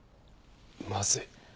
まずい。